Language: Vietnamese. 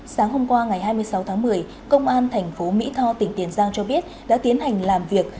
sáng hôm qua ngày hai mươi sáu tháng một mươi công an thành phố mỹ tho tỉnh tiền giang cho biết đã tiến hành làm việc